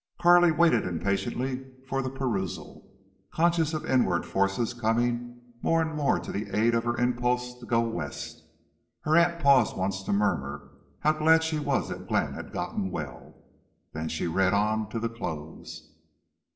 Carley waited impatiently for the perusal, conscious of inward forces coming more and more to the aid of her impulse to go West. Her aunt paused once to murmur how glad she was that Glenn had gotten well. Then she read on to the close.